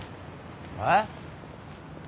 えっ？